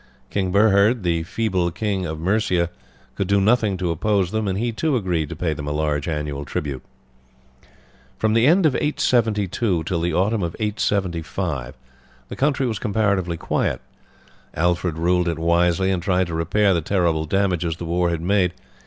King Burhred, the feeble King of Mercia, could do nothing to oppose them, and he too agreed to pay them a large annual tribute. From the end of 872 till the autumn of 875 the country was comparatively quiet. Alfred ruled it wisely, and tried to repair the terrible damages the war had made.